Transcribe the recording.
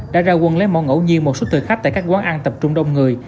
đã ra quân lấy mẫu ngẫu nhiên một số thời khách tại các quán ăn tập trung đông người